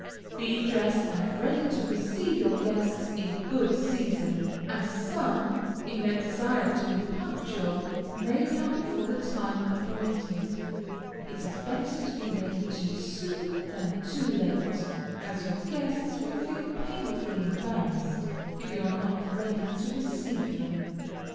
Be dressed and ready to receive your guests in good season, as some, in their desire to be punctual, may come before the time appointed. It is better to be ready too soon, than too late, as your guests will feel painfully embarrassed if you are not ready to receive them.